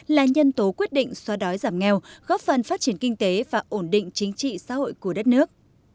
là nhân tố quyết định xóa đói giảm nghèo góp phần phát triển kinh tế và ổn định chính trị xã hội của đất nước